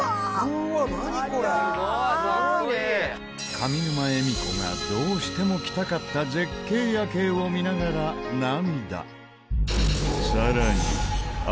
上沼恵美子がどうしても来たかった絶景夜景を見ながら涙。